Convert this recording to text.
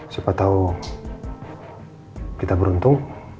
siapa tahu kita beruntung